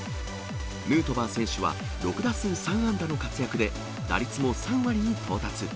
ヌートバー選手は、６打数３安打の活躍で、打率も３割に到達。